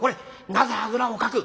なぜあぐらをかく？」。